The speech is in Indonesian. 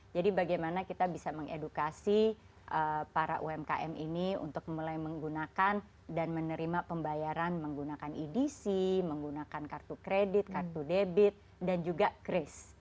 jadi bagaimana kita bisa mengedukasi para umkm ini untuk mulai menggunakan dan menerima pembayaran menggunakan edc menggunakan kartu kredit kartu debit dan juga kris